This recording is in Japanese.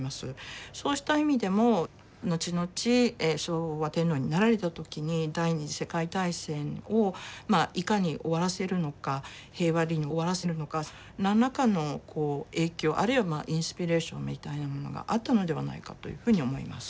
そうした意味でも後々昭和天皇になられた時に第二次世界大戦をいかに終わらせるのか平和裏に終わらせるのか何らかの影響あるいはインスピレーションみたいなものがあったのではないかというふうに思います。